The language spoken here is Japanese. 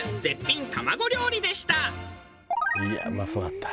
いやうまそうだった。